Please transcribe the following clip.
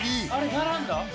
並んだ？